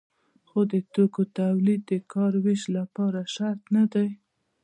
خو د توکو تولید د کار ویش لپاره شرط نه دی.